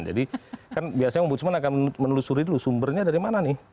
jadi kan biasanya ombudsman akan menelusuri dulu sumbernya dari mana nih